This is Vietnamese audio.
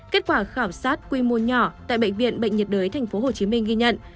kết quả khảo sát quy mô nhỏ tại bệnh viện bệnh nhiệt đới tp hcm ghi nhận